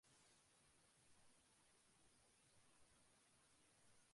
ফলে সুরিনাম সরকারীভাবে ওলন্দাজ নিয়ন্ত্রণে আসে।